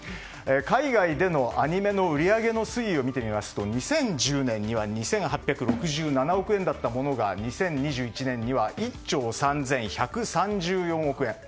海外でのアニメの売り上げの推移を見てみますと２０１０年には２８６７億円だったものが２０２１年には１兆３１３４億円。